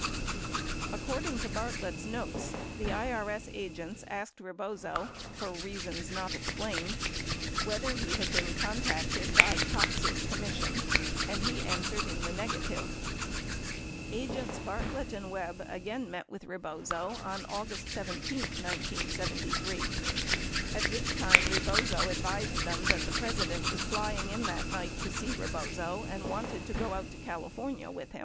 According to Bartlett's notes, the IRS agents asked Rebozo, for reasons not explained, whether he had been contacted by "Cox's commission" and he answered in the negative. Agents Bartlett and Webb again met with Rebozo on August 17, 1973, at which time Rebozo advised them that the President was flying in that night to see Rebozo and wanted to go out to California with 79 24 Hearings 11641 42.